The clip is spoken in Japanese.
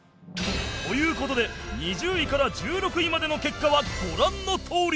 という事で２０位から１６位までの結果はご覧のとおり